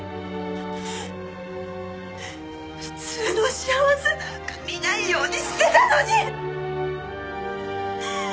普通の幸せなんか見ないようにしてたのに！